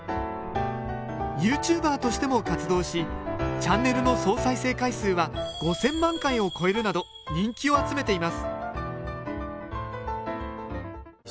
ＹｏｕＴｕｂｅｒとしても活動しチャンネルの総再生回数は５，０００万回を超えるなど人気を集めています